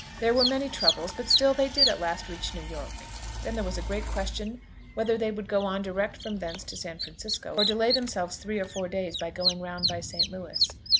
There were many troubles; but still they did at last reach New York. Then there was a great question whether they would go on direct from thence to San Francisco, or delay themselves three or four days by going round by St. Louis.